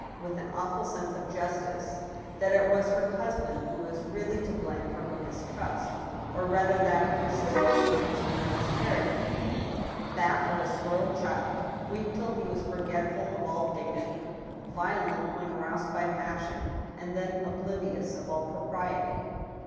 with an awful sense of justice, that it was her husband who was really to blame for her mistrust, or rather that her suspicion was due to his character— that of a spoiled child, weak till he was forgetful of all dignity, violent when roused by passion, and then oblivious of all propriety.